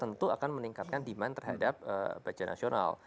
tentu akan meningkatkan demand terhadap baja nasional